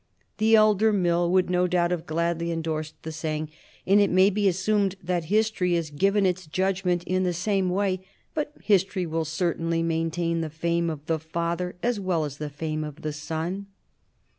The elder Mill would no doubt have gladly endorsed the saying, and it may be assumed that history has given its judgment in the same way, but history will certainly maintain the fame of the father as well as the fame of the son.